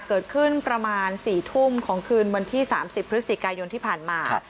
เกิดขึ้นประมาณ๔ทุ่มของคืนวันที่๓๐พฤศจิกายนที่ผ่านมา